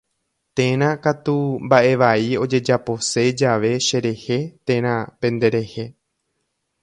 Térã katu mba'evai ojejapose jave cherehe térã penderehe.